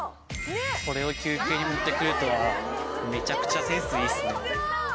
これを休憩に持って来るとはめちゃくちゃセンスいいっすね。